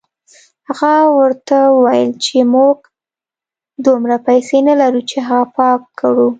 هغه ورته وویل چې موږ دومره پیسې نه لرو چې هغه پاکه کړو.